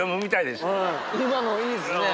今のいいっすね。